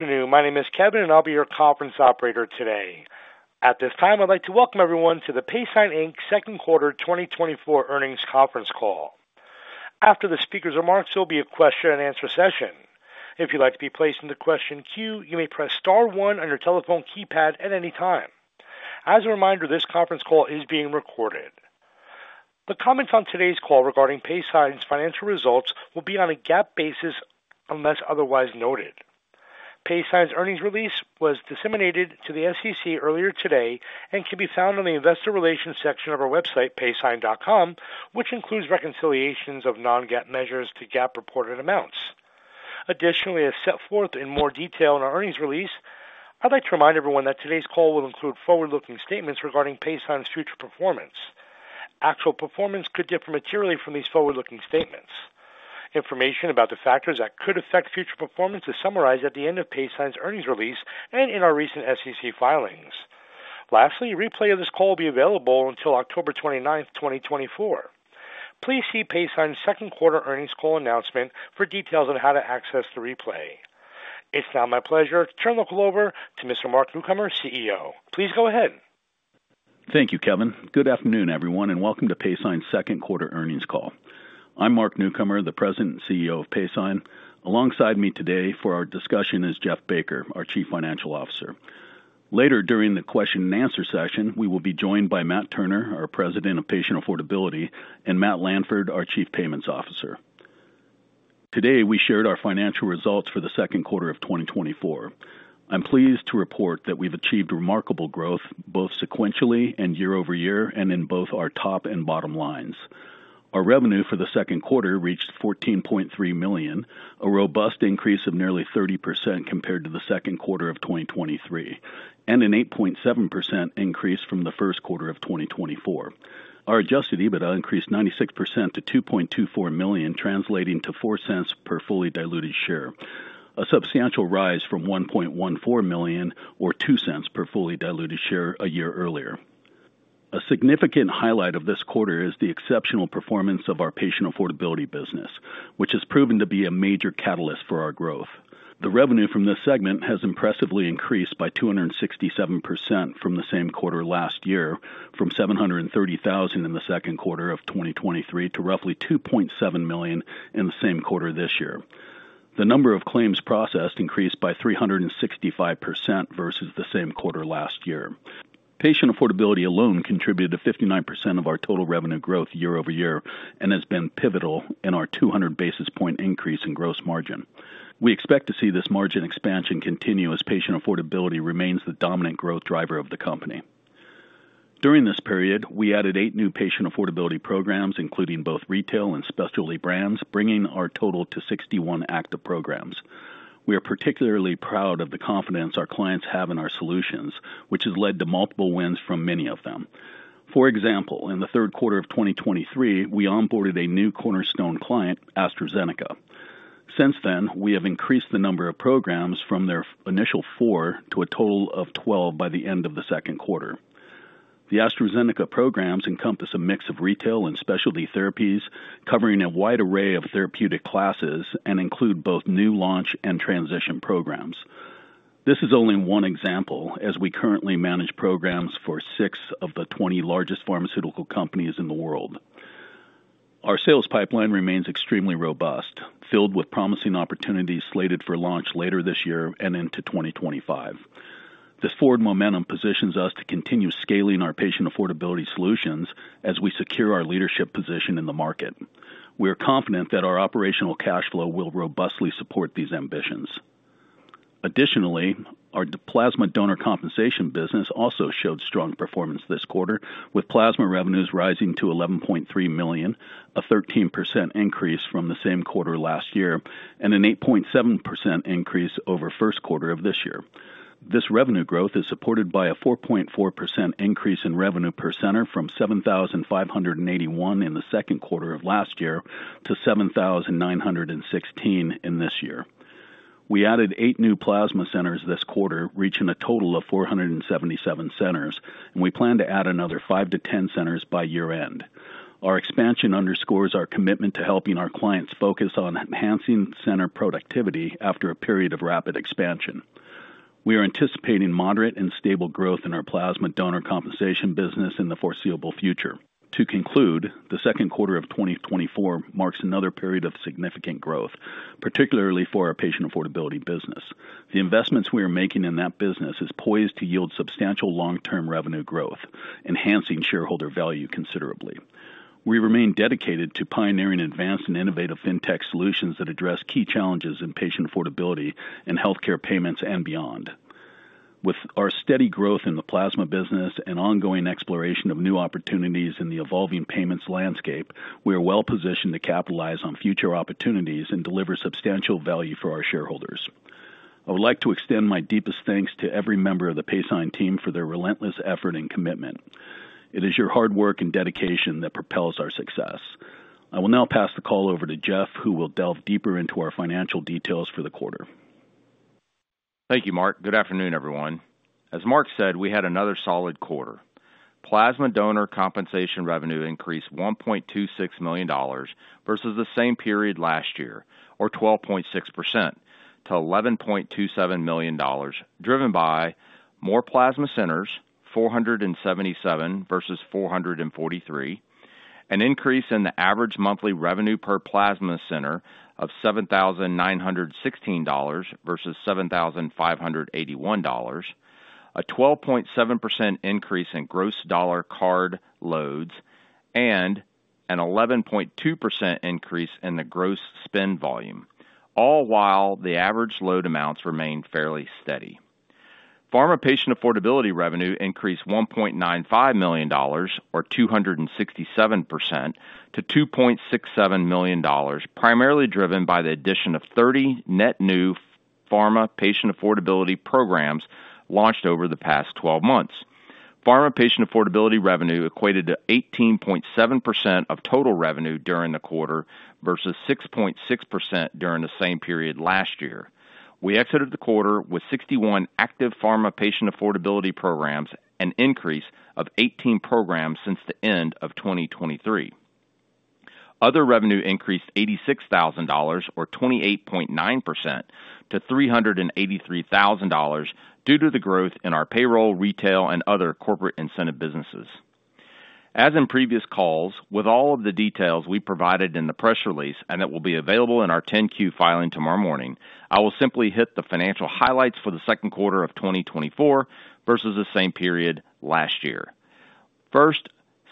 Good afternoon. My name is Kevin, and I'll be your conference operator today. At this time, I'd like to welcome everyone to the PaySign, Inc. Second Quarter 2024 Earnings Conference Call. After the speaker's remarks, there'll be a question and answer session. If you'd like to be placed in the question queue, you may press star one on your telephone keypad at any time. As a reminder, this conference call is being recorded. The comments on today's call regarding PaySign's financial results will be on a GAAP basis, unless otherwise noted. PaySign's earnings release was disseminated to the SEC earlier today and can be found on the Investor Relations section of our website, paysign.com, which includes reconciliations of non-GAAP measures to GAAP reported amounts. Additionally, as set forth in more detail in our earnings release, I'd like to remind everyone that today's call will include forward-looking statements regarding PaySign's future performance. Actual performance could differ materially from these forward-looking statements. Information about the factors that could affect future performance is summarized at the end of PaySign's earnings release and in our recent SEC filings. Lastly, a replay of this call will be available until October 29th, 2024. Please see PaySign's second quarter earnings call announcement for details on how to access the replay. It's now my pleasure to turn the call over to Mr. Mark Newcomer, CEO. Please go ahead. Thank you, Kevin. Good afternoon, everyone, and welcome to PaySign's second quarter earnings call. I'm Mark Newcomer, the President and CEO of PaySign. Alongside me today for our discussion is Jeff Baker, our Chief Financial Officer. Later, during the question and answer session, we will be joined by Matt Turner, our President of Patient Affordability, and Matt Lanford, our Chief Payments Officer. Today, we shared our financial results for the second quarter of 2024. I'm pleased to report that we've achieved remarkable growth, both sequentially and year over year, and in both our top and bottom lines. Our revenue for the second quarter reached $14.3 million, a robust increase of nearly 30% compared to the second quarter of 2023, and an 8.7% increase from the first quarter of 2024. Our adjusted EBITDA increased 96% to $2.24 million, translating to $0.04 per fully diluted share, a substantial rise from $1.14 million, or $0.02 per fully diluted share a year earlier. A significant highlight of this quarter is the exceptional performance of our patient affordability business, which has proven to be a major catalyst for our growth. The revenue from this segment has impressively increased by 267% from the same quarter last year, from $730,000 in the second quarter of 2023 to roughly $2.7 million in the same quarter this year. The number of claims processed increased by 365% versus the same quarter last year. Patient affordability alone contributed to 59% of our total revenue growth year-over-year and has been pivotal in our 200 basis point increase in gross margin. We expect to see this margin expansion continue as patient affordability remains the dominant growth driver of the company. During this period, we added eight new patient affordability programs, including both retail and specialty brands, bringing our total to 61 active programs. We are particularly proud of the confidence our clients have in our solutions, which has led to multiple wins from many of them. For example, in the third quarter of 2023, we onboarded a new cornerstone client, AstraZeneca. Since then, we have increased the number of programs from their initial four to a total of 12 by the end of the second quarter. The AstraZeneca programs encompass a mix of retail and specialty therapies, covering a wide array of therapeutic classes and include both new launch and transition programs. This is only one example, as we currently manage programs for six of the 20 largest pharmaceutical companies in the world. Our sales pipeline remains extremely robust, filled with promising opportunities slated for launch later this year and into 2025. This forward momentum positions us to continue scaling our patient affordability solutions as we secure our leadership position in the market. We are confident that our operational cash flow will robustly support these ambitions. Additionally, our plasma donor compensation business also showed strong performance this quarter, with plasma revenues rising to $11.3 million, a 13% increase from the same quarter last year, and an 8.7% increase over first quarter of this year. This revenue growth is supported by a 4.4% increase in revenue per center, from $7,581 in the second quarter of last year to $7,916 in this year. We added 8 new plasma centers this quarter, reaching a total of 477 centers, and we plan to add another 5-10 centers by year-end. Our expansion underscores our commitment to helping our clients focus on enhancing center productivity after a period of rapid expansion. We are anticipating moderate and stable growth in our plasma donor compensation business in the foreseeable future. To conclude, the second quarter of 2024 marks another period of significant growth, particularly for our patient affordability business. The investments we are making in that business is poised to yield substantial long-term revenue growth, enhancing shareholder value considerably. We remain dedicated to pioneering advanced and innovative fintech solutions that address key challenges in patient affordability and healthcare payments and beyond. With our steady growth in the plasma business and ongoing exploration of new opportunities in the evolving payments landscape, we are well positioned to capitalize on future opportunities and deliver substantial value for our shareholders. I would like to extend my deepest thanks to every member of the PaySign team for their relentless effort and commitment. It is your hard work and dedication that propels our success. I will now pass the call over to Jeff, who will delve deeper into our financial details for the quarter. Thank you, Mark. Good afternoon, everyone. As Mark said, we had another solid quarter. Plasma donor compensation revenue increased $1.26 million versus the same period last year, or 12.6%, to $11.27 million, driven by more plasma centers, 477 versus 443. An increase in the average monthly revenue per plasma center of $7,916 versus $7,581, a 12.7% increase in gross dollar card loads, and an 11.2% increase in the gross spend volume, all while the average load amounts remained fairly steady. Pharma patient affordability revenue increased $1.95 million, or 267%, to $2.67 million, primarily driven by the addition of 30 net new pharma patient affordability programs launched over the past 12 months. Pharma patient affordability revenue equated to 18.7% of total revenue during the quarter, versus 6.6% during the same period last year. We exited the quarter with 61 active pharma patient affordability programs, an increase of 18 programs since the end of 2023. Other revenue increased $86,000 or 28.9% to $383,000, due to the growth in our payroll, retail, and other corporate incentive businesses. As in previous calls, with all of the details we provided in the press release, and that will be available in our 10-Q filing tomorrow morning, I will simply hit the financial highlights for the second quarter of 2024 versus the same period last year. For the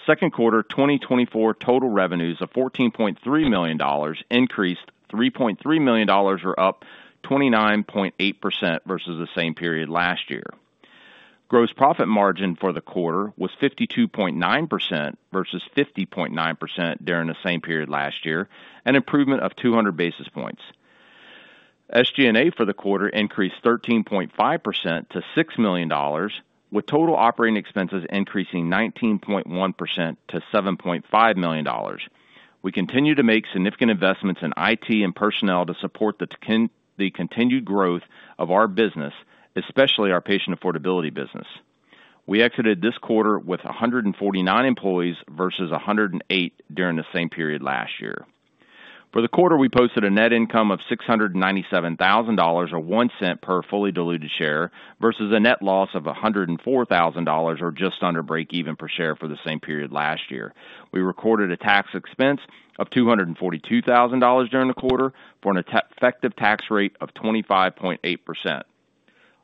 second quarter 2024 total revenues of $14.3 million increased $3.3 million, or up 29.8% versus the same period last year. Gross profit margin for the quarter was 52.9% versus 50.9% during the same period last year, an improvement of 200 basis points. SG&A for the quarter increased 13.5% to $6 million, with total operating expenses increasing 19.1% to $7.5 million. We continue to make significant investments in IT and personnel to support the continued growth of our business, especially our patient affordability business. We exited this quarter with 149 employees versus 108 during the same period last year. For the quarter, we posted a net income of $697,000, or 1 cent per fully diluted share, versus a net loss of $104,000, or just under breakeven per share for the same period last year. We recorded a tax expense of $242,000 during the quarter, for an effective tax rate of 25.8%.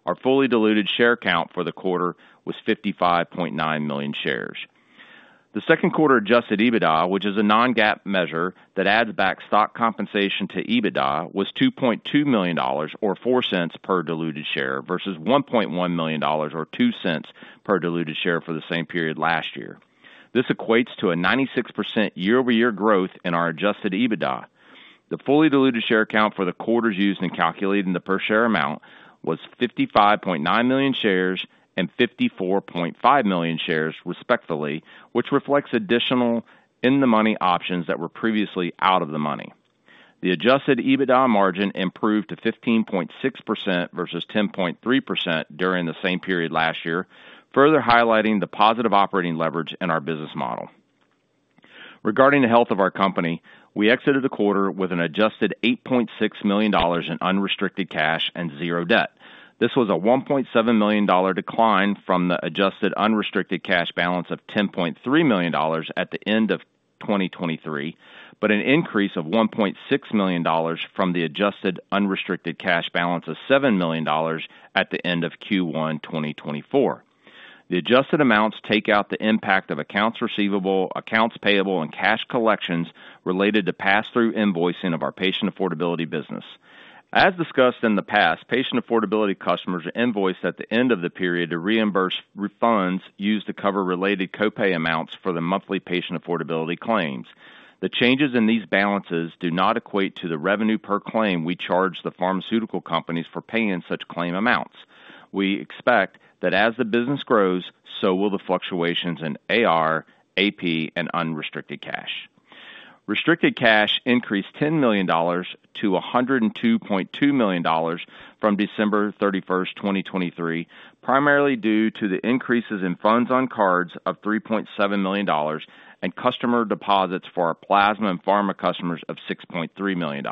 Our fully diluted share count for the quarter was 55.9 million shares. The second quarter Adjusted EBITDA, which is a non-GAAP measure that adds back stock compensation to EBITDA, was $2.2 million or 4 cents per diluted share, versus $1.1 million or 2 cents per diluted share for the same period last year. This equates to a 96% year-over-year growth in our Adjusted EBITDA. The fully diluted share count for the quarters used in calculating the per share amount was 55.9 million shares and 54.5 million shares, respectively, which reflects additional in-the-money options that were previously out of the money. The adjusted EBITDA margin improved to 15.6% versus 10.3% during the same period last year, further highlighting the positive operating leverage in our business model. Regarding the health of our company, we exited the quarter with an adjusted $8.6 million in unrestricted cash and zero debt. This was a $1.7 million decline from the adjusted unrestricted cash balance of $10.3 million at the end of 2023, but an increase of $1.6 million from the adjusted unrestricted cash balance of $7 million at the end of Q1 2024. The adjusted amounts take out the impact of accounts receivable, accounts payable, and cash collections related to pass-through invoicing of our patient affordability business. As discussed in the past, patient affordability customers are invoiced at the end of the period to reimburse refunds used to cover related copay amounts for the monthly patient affordability claims. The changes in these balances do not equate to the revenue per claim we charge the pharmaceutical companies for paying such claim amounts. We expect that as the business grows, so will the fluctuations in AR, AP, and unrestricted cash. Restricted cash increased $10 million to $102.2 million from December 31st, 2023, primarily due to the increases in funds on cards of $3.7 million and customer deposits for our plasma and pharma customers of $6.3 million.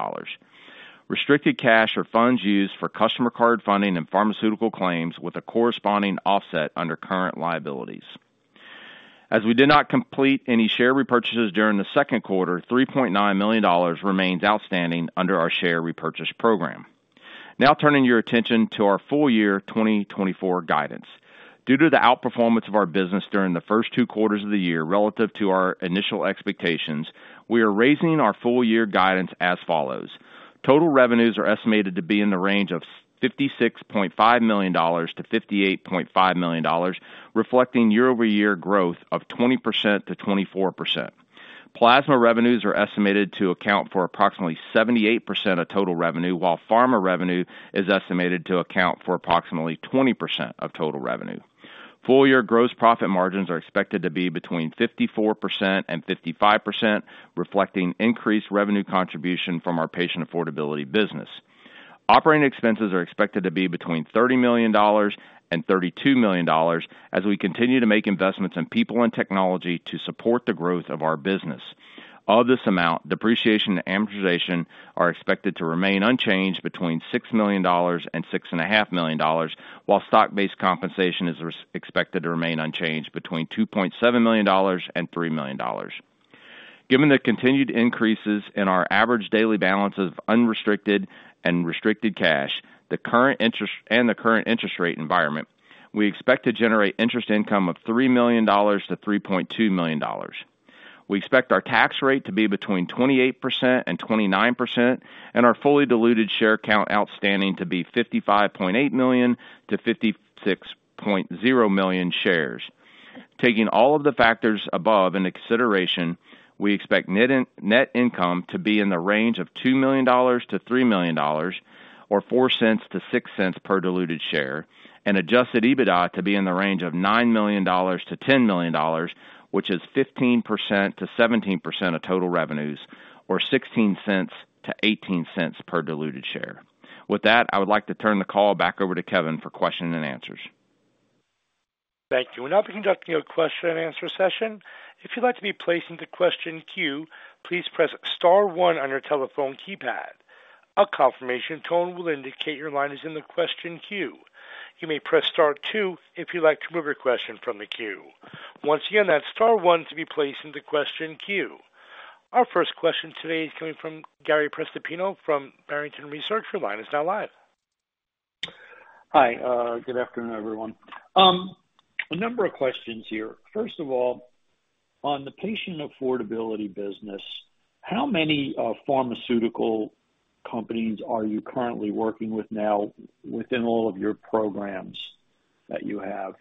Restricted cash are funds used for customer card funding and pharmaceutical claims with a corresponding offset under current liabilities. As we did not complete any share repurchases during the second quarter, $3.9 million remains outstanding under our share repurchase program. Now, turning your attention to our full-year 2024 guidance. Due to the outperformance of our business during the first two quarters of the year relative to our initial expectations, we are raising our full-year guidance as follows: Total revenues are estimated to be in the range of $56.5 million-$58.5 million, reflecting year-over-year growth of 20%-24%. Plasma revenues are estimated to account for approximately 78% of total revenue, while pharma revenue is estimated to account for approximately 20% of total revenue. Full-year gross profit margins are expected to be between 54% and 55%, reflecting increased revenue contribution from our patient affordability business. Operating expenses are expected to be between $30 million and $32 million as we continue to make investments in people and technology to support the growth of our business. Of this amount, depreciation and amortization are expected to remain unchanged between $6 million and $6.5 million, while stock-based compensation is expected to remain unchanged between $2.7 million and $3 million. Given the continued increases in our average daily balances of unrestricted and restricted cash, the current interest rate environment, we expect to generate interest income of $3 million to $3.2 million. We expect our tax rate to be between 28% and 29%, and our fully diluted share count outstanding to be 55.8 million-56.0 million shares. Taking all of the factors above in consideration, we expect net income to be in the range of $2 million-$3 million, or $0.04-$0.06 per diluted share, and Adjusted EBITDA to be in the range of $9 million-$10 million, which is 15%-17% of total revenues, or $0.16-$0.18 per diluted share. With that, I would like to turn the call back over to Kevin for question and answers. Thank you. We'll now be conducting a question and answer session. If you'd like to be placed into question queue, please press star one on your telephone keypad. A confirmation tone will indicate your line is in the question queue. You may press star two if you'd like to remove your question from the queue. Once again, that's star one to be placed in the question queue. Our first question today is coming from Gary Prestopino from Barrington Research. Your line is now live. Hi, good afternoon, everyone. A number of questions here. First of all, on the patient affordability business, how many pharmaceutical companies are you currently working with now within all of your programs that you have?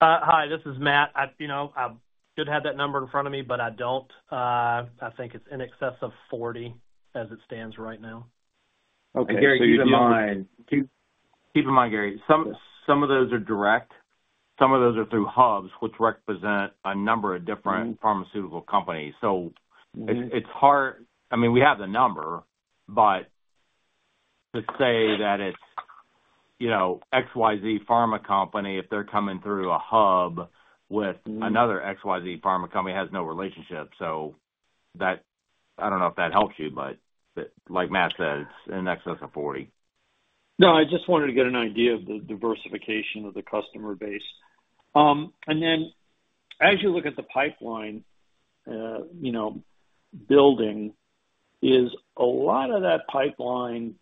Hi, this is Matt. I, you know, I should have that number in front of me, but I don't. I think it's in excess of 40 as it stands right now. Okay, so keep in mind. Keep in mind, Gary, some of those are direct, some of those are through hubs, which represent a number of different pharmaceutical companies. So it's hard... I mean, we have the number, but to say that it's, you know, XYZ pharma company, if they're coming through a hub with another XYZ pharma company, has no relationship. So that, I don't know if that helps you, but like Matt said, it's in excess of 40. No, I just wanted to get an idea of the diversification of the customer base. And then as you look at the pipeline, you know, building, is a lot of that pipeline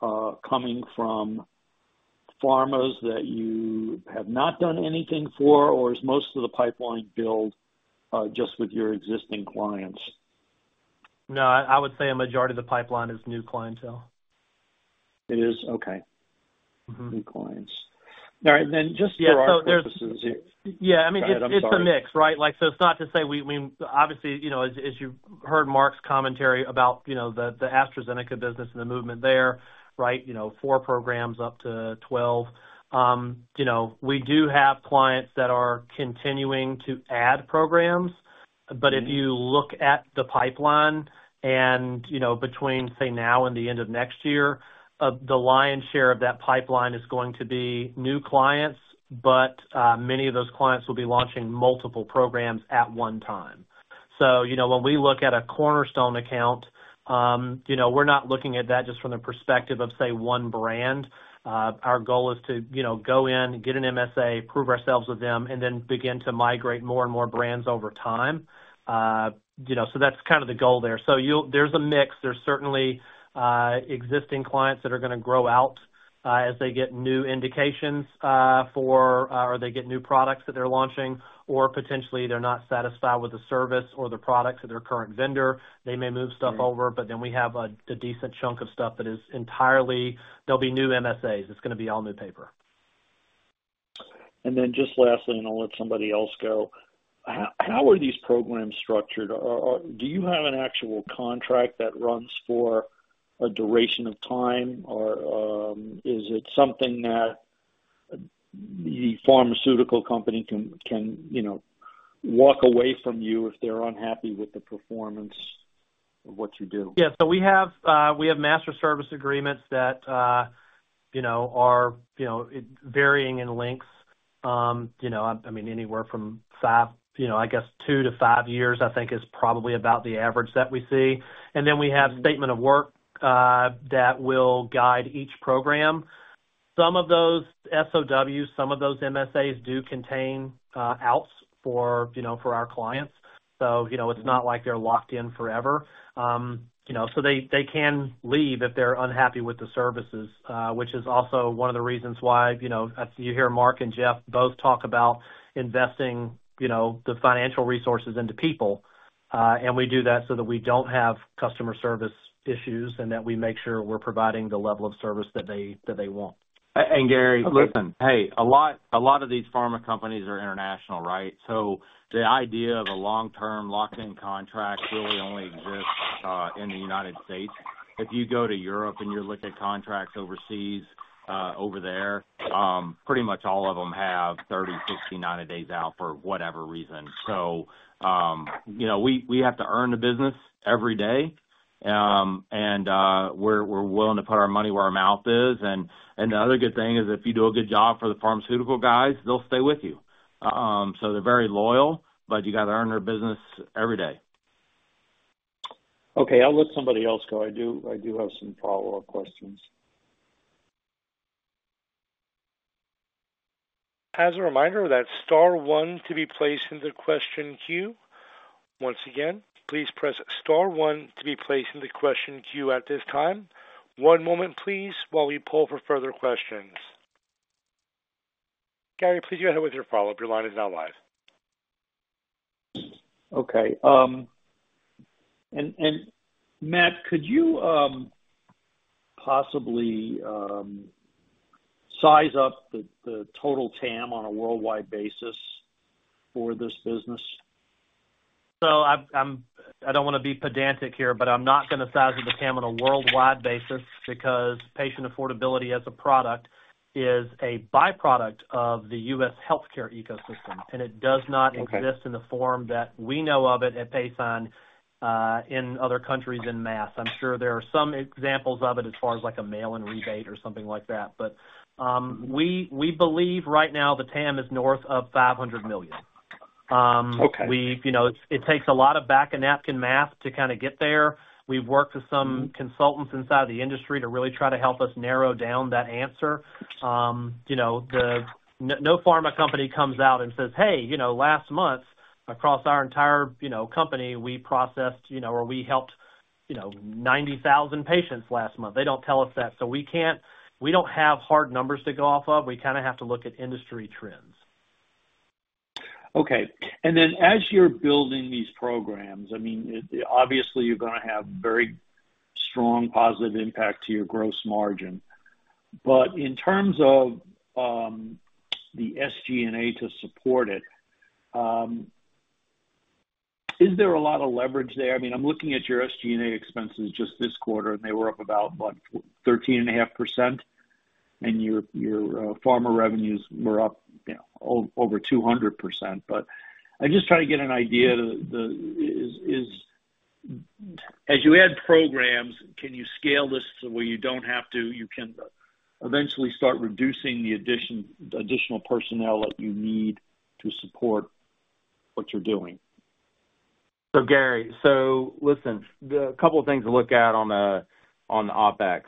coming from pharmas that you have not done anything for, or is most of the pipeline build just with your existing clients? No, I would say a majority of the pipeline is new clientele. It is? Okay. New clients. All right, then, just for our purposes here. Yeah, I mean, it's a mix, right? Like, so it's not to say we obviously, you know, as you heard Mark's commentary about, you know, the AstraZeneca business and the movement there, right? You know, 4 programs up to 12. We do have clients that are continuing to add programs, but if you look at the pipeline and, you know, between, say, now and the end of next year, the lion's share of that pipeline is going to be new clients, but many of those clients will be launching multiple programs at one time. So, you know, when we look at a cornerstone account, you know, we're not looking at that just from the perspective of, say, one brand. Our goal is to, you know, go in, get an MSA, prove ourselves with them, and then begin to migrate more and more brands over time. You know, so that's kind of the goal there. So you'll - there's a mix. There's certainly existing clients that are gonna grow out as they get new indications for or they get new products that they're launching, or potentially they're not satisfied with the service or the products of their current vendor. They may move stuff over, but then we have a decent chunk of stuff that is entirely, they'll be new MSAs. It's gonna be all new paper. And then just lastly, and I'll let somebody else go. How are these programs structured? Or do you have an actual contract that runs for a duration of time? Or is it something that the pharmaceutical company can, you know, walk away from you if they're unhappy with the performance of what you do? Yeah, so we have master service agreements that, you know, are, you know, varying in lengths. You know, I mean, anywhere from five, you know, I guess two to five years, I think is probably about the average that we see. And then we have statement of work that will guide each program. Some of those SOWs, some of those MSAs do contain outs for, you know, for our clients. So, you know, it's not like they're locked in forever. You know, so they, they can leave if they're unhappy with the services, which is also one of the reasons why, you know, as you hear Mark and Jeff both talk about investing, you know, the financial resources into people, and we do that so that we don't have customer service issues, and that we make sure we're providing the level of service that they, that they want. And, Gary, listen, hey, a lot, a lot of these pharma companies are international, right? So the idea of a long-term lock-in contract really only exists in the United States. If you go to Europe and you look at contracts overseas, over there, pretty much all of them have 30, 60, 90 days out for whatever reason. So, you know, we, we have to earn the business every day, and, we're, we're willing to put our money where our mouth is. And, and the other good thing is, if you do a good job for the pharmaceutical guys, they'll stay with you. So they're very loyal, but you got to earn their business every day. Okay, I'll let somebody else go. I do, I do have some follow-up questions. As a reminder, that's star one to be placed in the question queue. Once again, please press star one to be placed in the question queue at this time. One moment please, while we pull for further questions. Gary, please go ahead with your follow-up. Your line is now live. Okay, and Matt, could you possibly size up the total TAM on a worldwide basis for this business? I don't want to be pedantic here, but I'm not going to size up the TAM on a worldwide basis, because patient affordability as a product is a byproduct of the U.S. healthcare ecosystem, and it does not. Okay. exist in the form that we know of it at PaySign in other countries en masse. I'm sure there are some examples of it as far as, like, a mail-in rebate or something like that. But we believe right now the TAM is north of $500 million. Okay. We, you know, it takes a lot of back-of-napkin math to kind of get there. We've worked with some consultants inside the industry to really try to help us narrow down that answer. You know, no pharma company comes out and says, "Hey, you know, last month, across our entire, you know, company, we processed, you know, or we helped, you know, 90,000 patients last month." They don't tell us that, so we can't. We don't have hard numbers to go off of. We kind of have to look at industry trends. Okay. And then, as you're building these programs, I mean, obviously, you're going to have very strong positive impact to your gross margin. But in terms of the SG&A to support it, is there a lot of leverage there? I mean, I'm looking at your SG&A expenses just this quarter, and they were up about, what, 13.5%, and your pharma revenues were up, you know, over 200%. But I'm just trying to get an idea, is as you add programs, can you scale this to where you don't have to, you can eventually start reducing the addition, additional personnel that you need to support what you're doing? So Gary, listen, the couple of things to look at on the OpEx.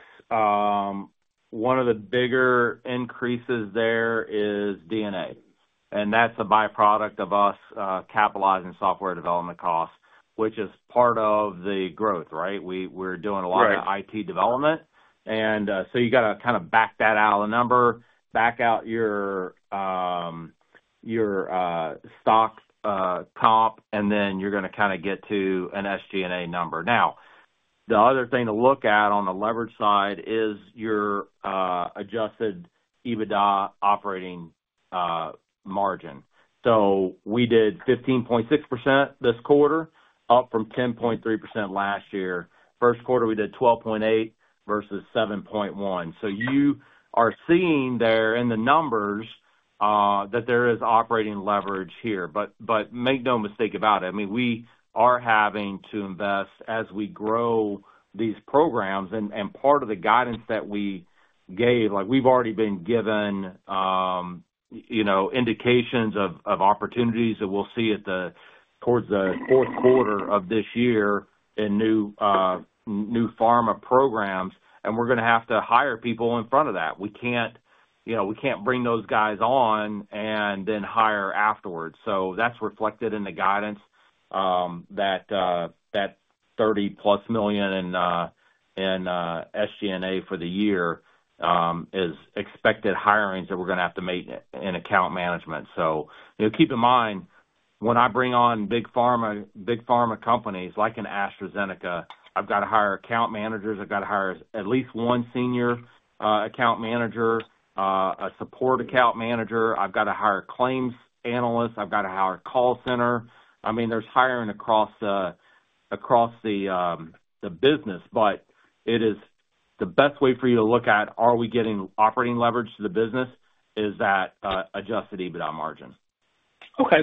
One of the bigger increases there is D&A, and that's a byproduct of us capitalizing software development costs, which is part of the growth, right? We're doing a lot- Right. Of IT development, and, so you got to kind of back that out a number, back out your, your, stock comp, and then you're going to kind of get to an SG&A number. Now, the other thing to look at on the leverage side is your, adjusted EBITDA operating, margin. So we did 15.6% this quarter, up from 10.3% last year. First quarter, we did 12.8 versus 7.1. So you are seeing there in the numbers, that there is operating leverage here. But, but make no mistake about it, I mean, we are having to invest as we grow these programs. Part of the guidance that we gave, like, we've already been given, you know, indications of opportunities that we'll see at the, towards the fourth quarter of this year in new new pharma programs, and we're going to have to hire people in front of that. We can't, you know, we can't bring those guys on and then hire afterwards. So that's reflected in the guidance, that that $30+ million in SG&A for the year is expected hirings that we're going to have to make in account management. So, you know, keep in mind, when I bring on big pharma, big pharma companies, like an AstraZeneca, I've got to hire account managers, I've got to hire at least one senior account manager, a support account manager. I've got to hire claims analysts. I've got to hire a call center. I mean, there's hiring across the business, but it is the best way for you to look at, are we getting operating leverage to the business? Is that Adjusted EBITDA margin. Okay.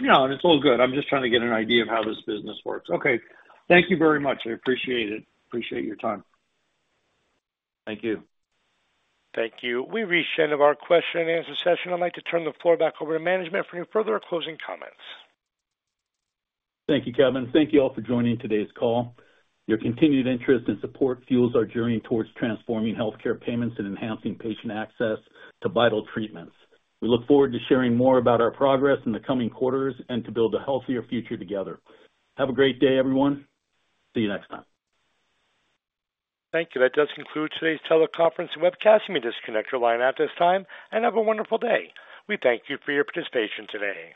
You know, and it's all good. I'm just trying to get an idea of how this business works. Okay, thank you very much. I appreciate it. Appreciate your time. Thank you. Thank you. We've reached the end of our question and answer session. I'd like to turn the floor back over to management for any further closing comments. Thank you, Kevin. Thank you all for joining today's call. Your continued interest and support fuels our journey towards transforming healthcare payments and enhancing patient access to vital treatments. We look forward to sharing more about our progress in the coming quarters and to build a healthier future together. Have a great day, everyone. See you next time. Thank you. That does conclude today's teleconference and webcast. You may disconnect your line at this time, and have a wonderful day. We thank you for your participation today.